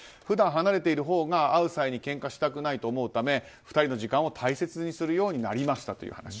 普段離れているほうが会う際にけんかしたくないと思うため２人の時間を大切にするようになりましたという話。